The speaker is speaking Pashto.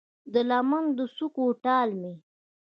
د لمن د څوکو ټال مې